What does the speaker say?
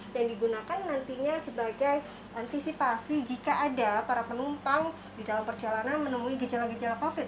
yang digunakan nantinya sebagai antisipasi jika ada para penumpang di dalam perjalanan menemui gejala gejala covid